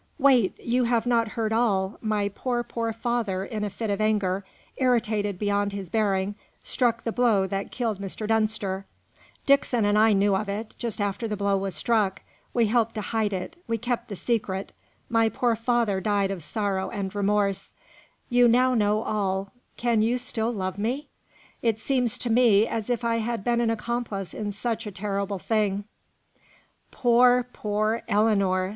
"Wait you have not heard all my poor, poor father, in a fit of anger, irritated beyond his bearing, struck the blow that killed Mr. Dunster Dixon and I knew of it, just after the blow was struck we helped to hide it we kept the secret my poor father died of sorrow and remorse you now know all can you still love me? It seems to me as if I had been an accomplice in such a terrible thing!" "Poor, poor Ellinor!"